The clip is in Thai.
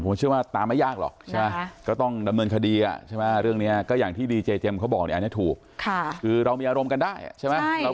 แต่ผมเชื่อว่าตามไม่ยากหรอกใช่ไหมฮะก็ต้องดำเนินคดีฮะ